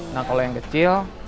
nah kalau yang kecil